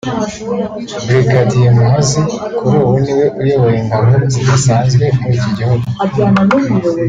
Brig Muhoozi kuri ubu niwe uyoboye ingabo zidasanzwe muri iki gihugu